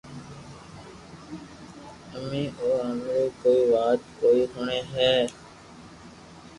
جي او امري ڪوئي وات ڪوئي ھوڻي ھي